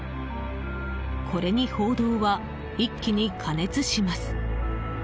これに、報道は一気に過熱します。